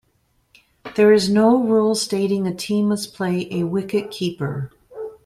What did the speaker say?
There is no rule stating a team must play a wicket-keeper.